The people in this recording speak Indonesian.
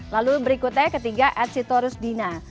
lalu berikutnya ketiga at sitorus dina